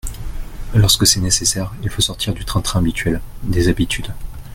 Lorsque c’est nécessaire, il faut sortir du train-train habituel, des habitudes.